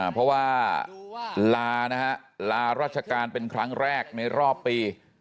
เพราะว่าลานะฮะลาราชการเป็นครั้งแรกในรอบปี